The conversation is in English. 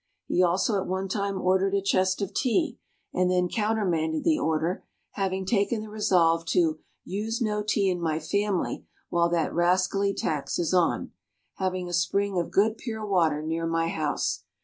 He also at one time ordered a chest of tea, and then countermanded the order, having taken the resolve to "use no tea in my family while that rascally Tax is on having a spring of good, pure water near my house."